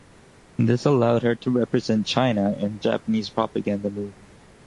This allowed her to represent China in Japanese propaganda movies.